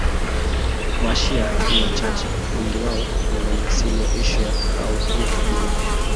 Washia ni wachache, wengi wao ni wenye asili ya Asia au Uarabuni.